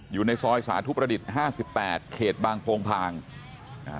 อยู่ในซอยสาธุประดิษฐ์ห้าสิบแปดเขตบางโพงพางอ่า